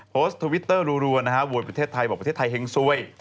โพสต์ทวิตเตอร์รัวบวนประเทศไทยบอกประเทศไทยเห็งซวย